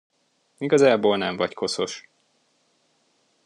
Igazából nem vagy koszos.